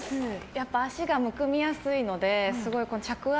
やっぱり脚がむくみやすいのですごい着圧、